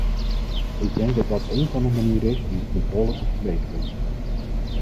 Ik denk dat dat een van de manieren is om de controle te verbeteren.